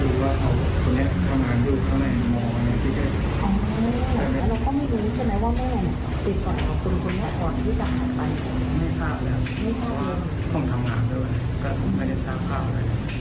เพราะว่าผมทำงานด้วยก็ผมไม่ได้ทราบข่าวอะไร